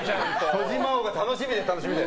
児嶋王が楽しみで楽しみで。